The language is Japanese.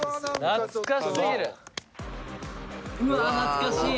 懐かしい。